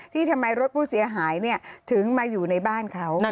ทำไมรถผู้เสียหายถึงมาอยู่ในบ้านเขา